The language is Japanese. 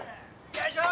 よいしょ！